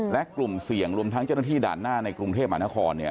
และกลุ่มเสี่ยงรวมทั้งเจ้าหน้าที่ด่านหน้าในกรุงเทพมหานครเนี่ย